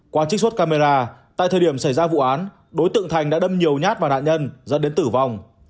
qua trích xuất camera tại thời điểm xảy ra vụ án đối tượng thành đã đâm nhiều nhát vào nạn nhân dẫn đến tử vong